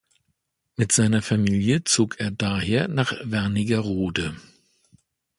Mit seiner Familie zog er daher nach Wernigerode.